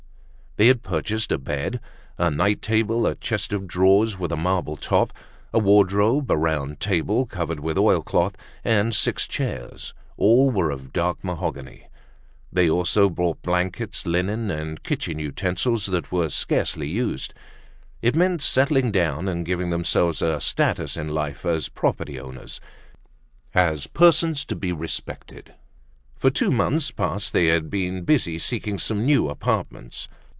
They had purchased a bed, a night table, a chest of drawers with a marble top, a wardrobe, a round table covered with oilcloth, and six chairs. All were of dark mahogany. They also bought blankets, linen, and kitchen utensils that were scarcely used. It meant settling down and giving themselves a status in life as property owners, as persons to be respected. For two months past they had been busy seeking some new apartments.